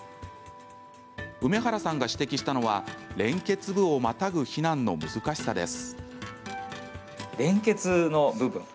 梅原さんが指摘したのは連結部をまたぐ避難の難しさです。